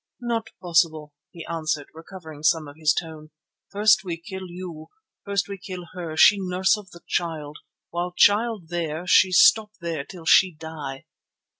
"Not possible," he answered, recovering some of his tone. "First we kill you, first we kill her, she Nurse of the Child. While Child there, she stop there till she die."